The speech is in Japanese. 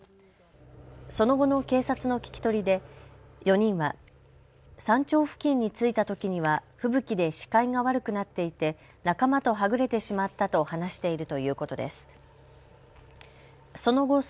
その後の警察の聞き取りで４人は山頂付近に着いたときには吹雪で視界が悪くなっていて仲間とはぐれてしまったと話しているということです。